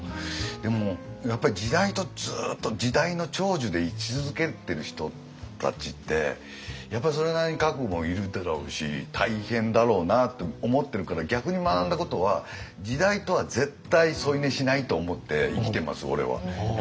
でもやっぱり時代とずっと時代の寵児で居続けてる人たちってやっぱそれなりに覚悟いるだろうし大変だろうなって思ってるから逆に学んだことは時代とは絶対添い寝しないと思って生きてます俺は。